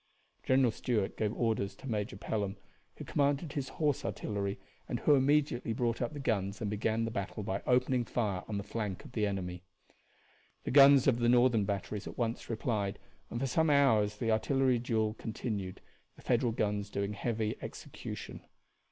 General Stuart gave orders to Major Pelham, who commanded his horse artillery, and who immediately brought up the guns and began the battle by opening fire on the flank of the enemy. The guns of the Northern batteries at once replied, and for some hours the artillery duel continued, the Federal guns doing heavy execution.